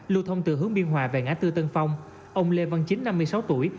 lưu thông từ hướng biên hòa về ngã tư tân phong ông lê văn chính năm mươi sáu tuổi